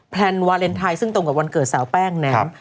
แลนวาเลนไทยซึ่งตรงกับวันเกิดสาวแป้งแหนม